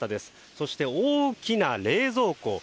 そして大きな冷蔵庫。